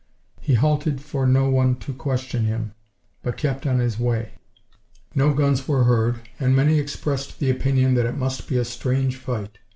He halted for no one to question him, but kept on his way. No guns were heard, and many expressed the opinion that it must be a strange fight.